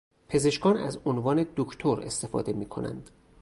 پزشکان از عنوان "دکتر" استفاده میکنند.